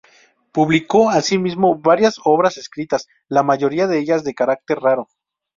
Publicó, asimismo, varias obras escritas, la mayoría de ellas de carácter raro.